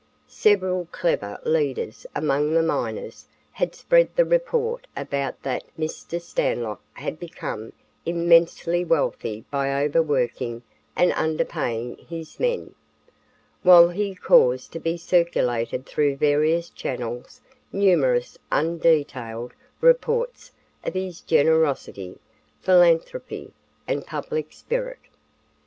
Several clever leaders among the miners had spread the report about that Mr. Stanlock had become immensely wealthy by overworking and underpaying his men, while he caused to be circulated through various channels numerous undetailed reports of his generosity, philanthropy and public spirit.